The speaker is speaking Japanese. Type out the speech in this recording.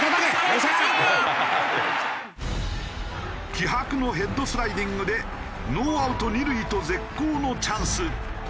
気迫のヘッドスライディングでノーアウト２塁と絶好のチャンス。